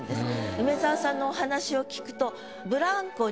梅沢さんのお話を聞くと。